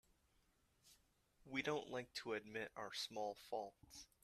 We don't like to admit our small faults.